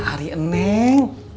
nah ari eneng